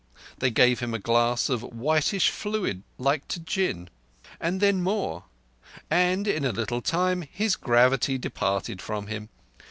They gave him a glass of whitish fluid like to gin, and then more; and in a little time his gravity departed from him.